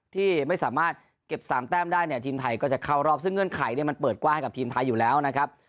ที่ไม่สามารถเก็บ๓แต้มได้เนี่ยทีมไทยก็จะเข้ารอบซึ่งเงื่อนไขเนี่ยมันเปิดกว้างให้กับทีมไทยอยู่แล้วนะครับ